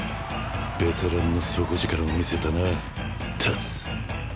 ベテランの底力を見せたなタツ